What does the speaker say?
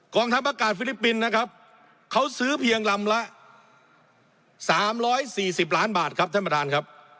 ทัพอากาศฟิลิปปินส์นะครับเขาซื้อเพียงลำละ๓๔๐ล้านบาทครับท่านประธานครับ